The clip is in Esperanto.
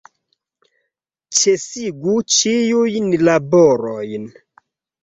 Ĉesigu ĉiujn laborojn!